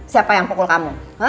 siapa yang pukul kamu